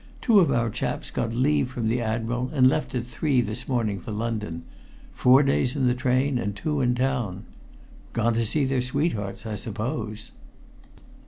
Two of our chaps got leave from the Admiral and left at three this morning for London four days in the train and two in town! Gone to see their sweethearts, I suppose."